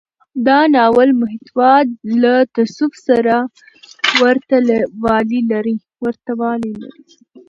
د ناول محتوا له تصوف سره ورته والی لري.